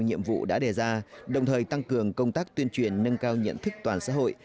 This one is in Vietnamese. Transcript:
nhiệm vụ đã đề ra đồng thời tăng cường công tác tuyên truyền nâng cao nhận thức toàn xã hội